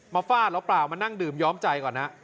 ฟาดหรือเปล่ามานั่งดื่มย้อมใจก่อนนะ